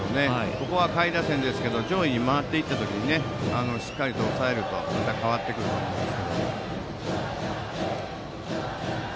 ここは下位打線ですが上位に回った時にしっかり抑えると流れが変わってくると思います。